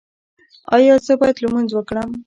ایا زه باید لمونځ وکړم؟